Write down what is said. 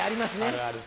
あるある。